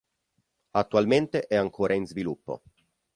Attualmente è ancora in sviluppo.